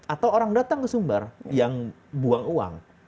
atau orang datang ke sumber yang buang uang